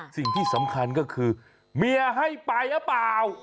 สิ่งที่สำคัญก็คือเมียให้ไปหรือเปล่า